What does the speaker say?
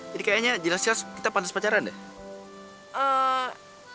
jadi kayaknya jelas jelas kita pantas pacaran deh